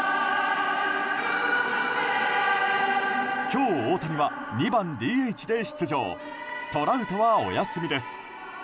今日、大谷は２番ＤＨで出場トラウトはお休みです。